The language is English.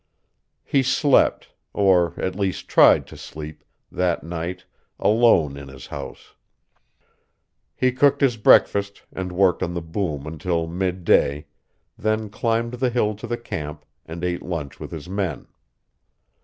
He slept or at least tried to sleep that night alone in his house. He cooked his breakfast and worked on the boom until midday, then climbed the hill to the camp and ate lunch with his men.